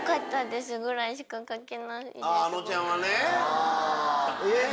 あのちゃんはね。